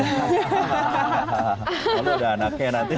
hahaha kalau ada anaknya nanti